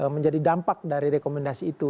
menjadi dampak dari rekomendasi itu